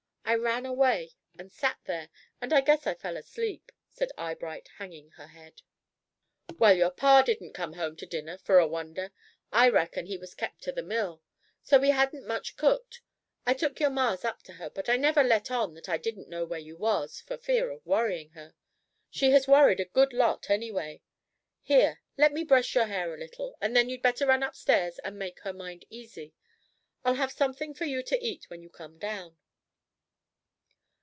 I ran away and sat there, and I guess I fell asleep," said Eyebright, hanging her head. "Well, your pa didn't come home to dinner, for a wonder; I reckon he was kept to the mill; so we hadn't much cooked. I took your ma's up to her; but I never let on that I didn't know where you was, for fear of worrying her. She has worried a good lot any way. Here, let me brush your hair a little, and then you'd better run upstairs and make her mind easy. I'll have something for you to eat when you come down."